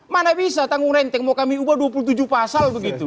mana bisa tanggung renteng mau kami ubah dua puluh tujuh pasal begitu